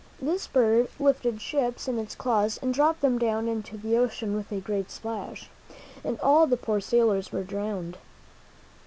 This bird lifted ships in its claws and dropped them down into the ocean with a great splash, and all the poor sailors were drowned.